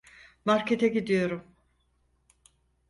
Markete gidiyorum.